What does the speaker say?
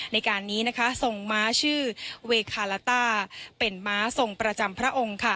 ในการนี้นะคะทรงม้าชื่อเวคาลาต้าเป็นม้าทรงประจำพระองค์